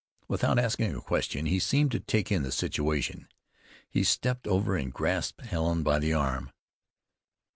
Without asking a question he seemed to take in the situation. He stepped over and grasped Helen by the arm.